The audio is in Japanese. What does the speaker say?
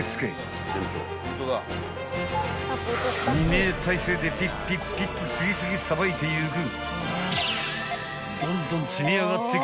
［２名体制でピッピッピッと次々さばいていく］